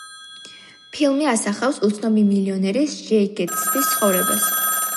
ფილმი ასახავს უცნობი მილიონერის, ჯეი გეტსბის ცხოვრებას.